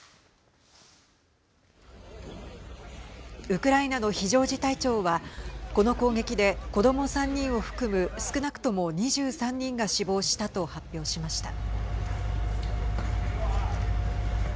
ウクライナの非常事態庁はこの攻撃で、子ども３人を含む少なくとも２３人が死亡したと発表しました。